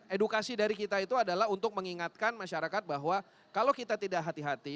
edukasi dari kita itu adalah untuk mengingatkan masyarakat bahwa kalau kita tidak hati hati